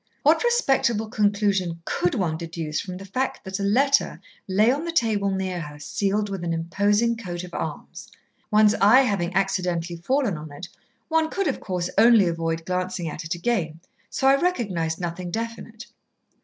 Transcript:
"What respectable conclusion could one deduce from the fact that a letter lay on the table near her, sealed with an imposing coat of arms. One's eye having accidentally fallen on it, one could, of course, only avoid glancing at it again, so I recognised nothing definite.